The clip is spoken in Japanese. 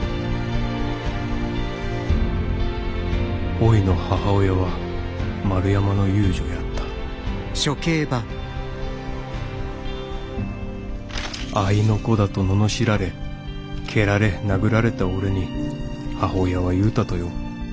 おいの母親は丸山の遊女やった合いの子だと罵られ蹴られ殴られた俺に母親は言うたとよ。